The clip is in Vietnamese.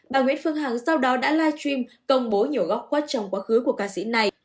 bà nguyễn phương hằng sau đó đã live stream công bố nhiều góc quát trong quá khứ của ca sĩ này